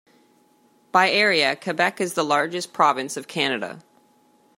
By area, Quebec is the largest province of Canada.